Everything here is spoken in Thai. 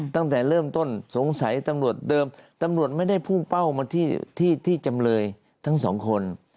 ตั้งแต่เริ่มต้นสงสัยตำรวจเดิมตำรวจไม่ได้พุ่งเป้ามาที่จำเลยทั้งสองคน